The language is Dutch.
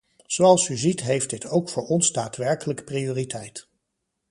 Zoals u ziet heeft dit ook voor ons daadwerkelijk prioriteit.